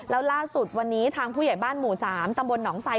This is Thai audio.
แล้วล่าสุดวันนี้ทางผู้ใหญ่บ้านหมู่๓ตำบลหนองไซ